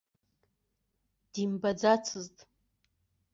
Димбаӡацызт.